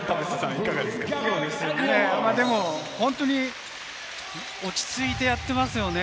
本当に落ち着いてやってますよね。